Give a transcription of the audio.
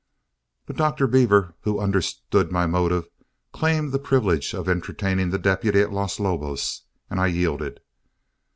But Dr. Beaver, who understood my motive, claimed the privilege of entertaining the deputy at Los Lobos, and I yielded.